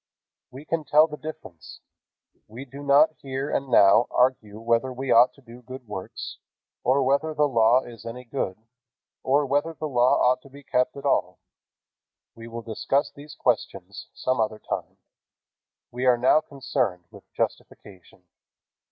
We can tell the difference. We do not here and now argue whether we ought to do good works, or whether the Law is any good, or whether the Law ought to be kept at all. We will discuss these questions some other time. We are now concerned with justification.